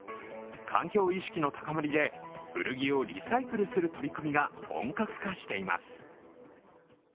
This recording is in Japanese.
環境意識の高まりで、古着をリサイクルする取り組みが本格化しています。